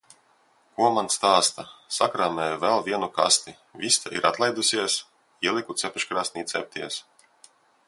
Ko man stāsta. Sakrāmēju vēl vienu kasti. Vista ir atlaidusies. Ieliku cepeškrāsnī cepties.